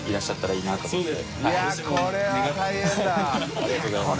ありがとうございます。